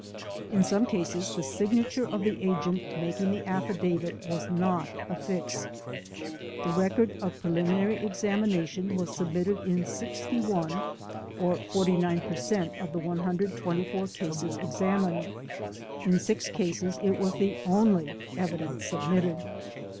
In some cases the signature of the agent making the affidavit was not affixed. The Record of Preliminary Examination was submitted in 61, or 49 40 THE DEPORTATION CASES per cent, of the 124 cases examined. In 6 cases it was the only evidence submitted.